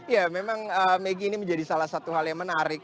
ya memang megi ini menjadi salah satu hal yang menarik